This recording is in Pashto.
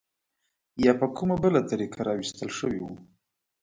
یا په کومه بله طریقه راوستل شوي وو.